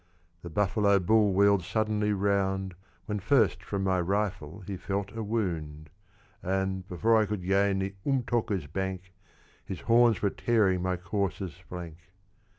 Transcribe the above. The buffalo bull wheeled suddenly round, When first from my rifle he felt a wound; And, before I could gain the Umtóka's bank, His horns were tearing my courser's flank.